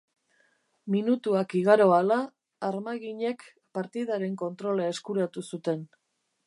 Minutuak igaro ahala, armaginek partidaren kontrola eskuratu zuten.